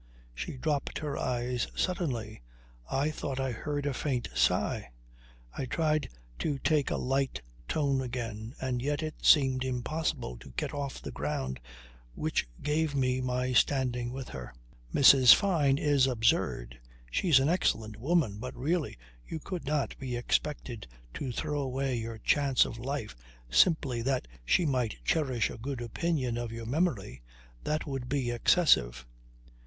She dropped her eyes suddenly. I thought I heard a faint sigh. I tried to take a light tone again, and yet it seemed impossible to get off the ground which gave me my standing with her. "Mrs. Fyne is absurd. She's an excellent woman, but really you could not be expected to throw away your chance of life simply that she might cherish a good opinion of your memory. That would be excessive."